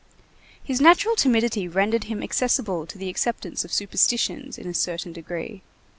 His natural timidity rendered him accessible to the acceptance of superstitions in a certain degree.